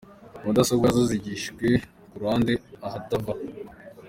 Mudasobwa nazo zigijwe ku ruhande ahatava.